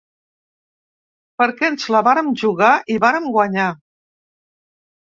Perquè ens la vàrem jugar i vàrem guanyar.